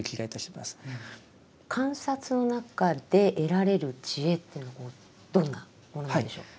観察の中で得られる智慧というのはどんなものなんでしょう？